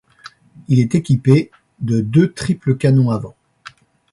Il est équipé de deux triples cannons avants.